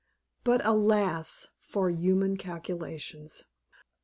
But, alas! for human calculations.